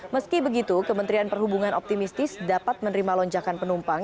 meski begitu kementerian perhubungan optimistis dapat menerima lonjakan penumpang